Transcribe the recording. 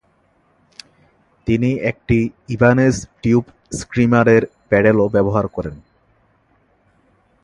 তিনি একটি ইবানেজ টিউব স্ক্রিমারের প্যাডেলও ব্যবহার করেন।